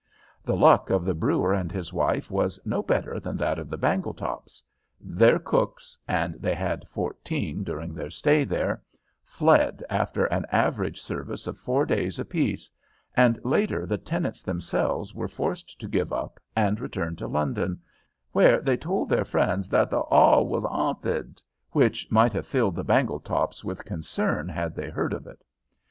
The luck of the brewer and his wife was no better than that of the Bangletops. Their cooks and they had fourteen during their stay there fled after an average service of four days apiece, and later the tenants themselves were forced to give up and return to London, where they told their friends that the "'all was 'aunted," which might have filled the Bangletops with concern had they heard of it.